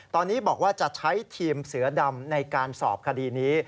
ตอนนี้บอกว่าจะใช้ทีมเสือดำในการสอบคดีนี้